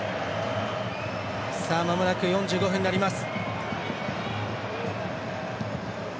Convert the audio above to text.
まもなく４５分になります。